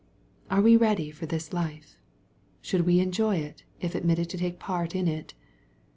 Are we ready for this life ? Should we enjoy it, if admitted to take part in it